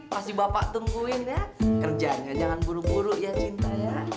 pasti bapak tungguin ya kerjanya jangan buru buru ya cintanya